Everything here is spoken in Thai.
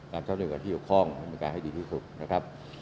ก็ต้องอยู่กับที่อยู่ข้องเป็นการให้ดีที่สุดนะครับ